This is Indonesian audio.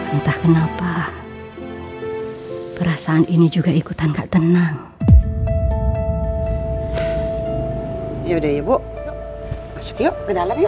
entah kenapa perasaan ini juga ikutan kak tenang ya udah ibu masuk yuk ke dalam yuk